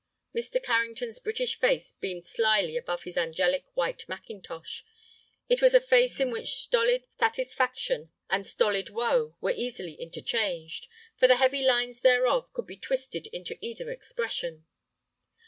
Mr. Carrington's British face beamed slyly above his angelic white mackintosh. It was a face in which stolid satisfaction and stolid woe were easily interchanged, for the heavy lines thereof could be twisted into either expression.